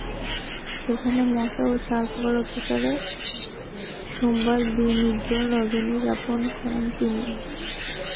সেখানে মশা এবং ছারপোকার অত্যাচারে সোমবার বিনিদ্র রজনী যাপন করেন তিনি।